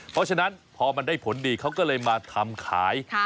เพราะฉะนั้นพอมันได้ผลดีเขาก็เลยมาทำขาย